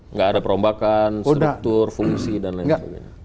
nggak ada perombakan struktur fungsi dan lain sebagainya